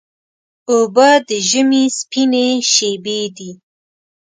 اوبه د ژمي سپینې شېبې دي.